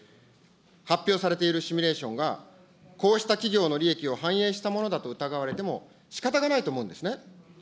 発表されているシミュレーションがこうした企業の利益を反映したものだと疑われても、しかたがないと思うんですね。